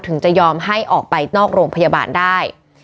จะยอมให้ออกไปนอกโรงพยาบาลได้